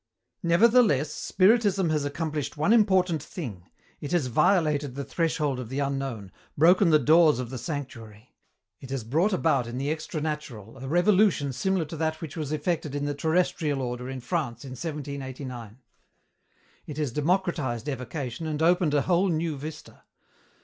"Nevertheless, Spiritism has accomplished one important thing. It has violated the threshold of the unknown, broken the doors of the sanctuary. It has brought about in the extranatural a revolution similar to that which was effected in the terrestrial order in France in 1789. It has democratized evocation and opened a whole new vista.